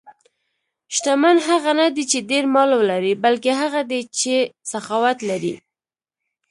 شتمن هغه نه دی چې ډېر مال ولري، بلکې هغه دی چې سخاوت لري.